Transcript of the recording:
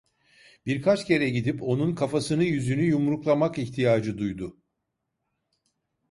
Birkaç kere gidip onun kafasını, yüzünü yumruklamak ihtiyacı duydu.